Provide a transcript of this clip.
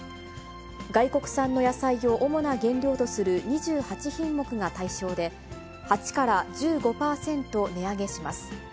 外国産の野菜を主な原料とする２８品目が対象で、８から１５％値上げします。